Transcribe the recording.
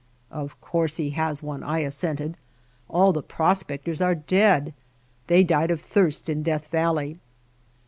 "Of course he has one," I assented. "All the prospectors are dead. They died of thirst in Death Valley."